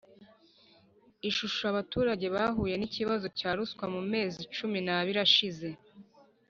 Ishusho Abaturage bahuye n ikibazo cya ruswa mu mezi cumi n abiri ashize